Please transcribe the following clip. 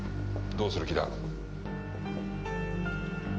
どうする気だ？